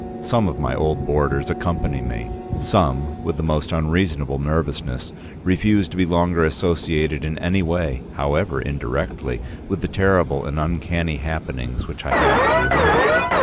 Some of my old boarders accompany me, some, with the most unreasonable nervousness, refuse to be longer associated in any way, however indirectly, with the terrible and uncanny happenings which I have to relate.